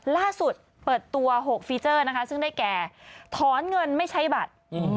ล่าสุดเปิดตัว๖ฟีเจอร์นะคะซึ่งได้แก่ถอนเงินไม่ใช้บัตร